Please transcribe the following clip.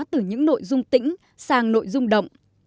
từ những nội dung tĩnh sang nội dung động